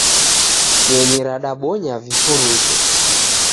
Nyonyi radabonya vifurute.